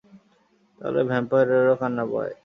তাহলে ভ্যাম্পায়ারেরও কান্না পায়?